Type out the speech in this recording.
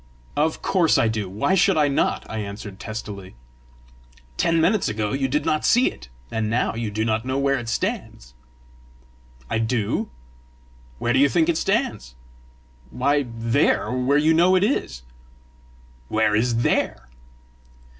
"Of course I do: why should I not?" I answered testily. "Ten minutes ago you did not see it, and now you do not know where it stands!" "I do." "Where do you think it stands?" "Why THERE, where you know it is!" "Where is THERE?"